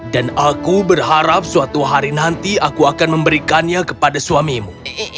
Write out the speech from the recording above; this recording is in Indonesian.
dan aku berharap suatu hari nanti aku akan memberikannya kepada suamimu